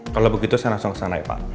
kalau begitu saya langsung kesana ya pak